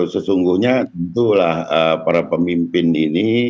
sesungguhnya tentulah para pemimpin ini